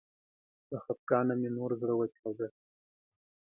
له خفګانه مې نور زړه وچاوده